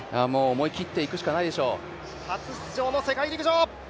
思い切っていくしかないでしょう。